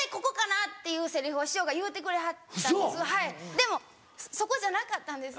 でもそこじゃなかったんです。